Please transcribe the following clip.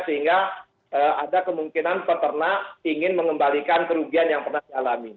sehingga ada kemungkinan peternak ingin mengembalikan kerugian yang pernah dialami